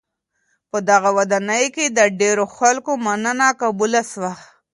په دغه ودانۍ کي د ډېرو خلکو مننه قبوله سوه.